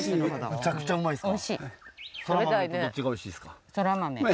むちゃくちゃうまいですか？